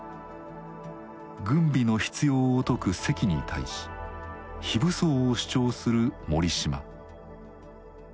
軍備の必要を説く関に対し非武装を主張する森嶋。